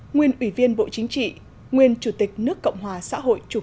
nguyên ủy viên bộ chính trị nguyên chủ tịch nước cộng hòa xã hội chủ nghĩa